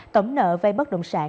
tổng nợ về bất động sản